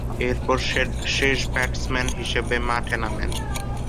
এরপর শেষ ব্যাটসম্যান হিসেবে মাঠে নামেন।